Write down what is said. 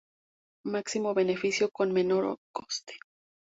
Máximo beneficio con menor coste.